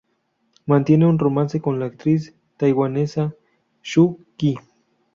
Mantiene un romance con la actriz taiwanesa Shu Qi.